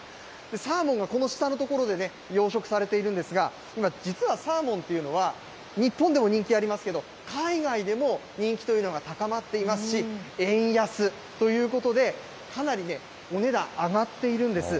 サーモンがこの下の所で養殖されているんですが、今、実はサーモンっていうのは、日本でも人気ありますけど、海外でも人気というのが高まっていますし、円安ということで、かなりお値段上がっているんです。